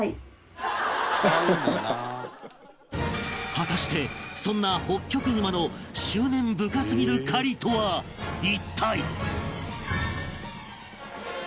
果たしてそんなホッキョクグマの執念深すぎる狩りとは一体？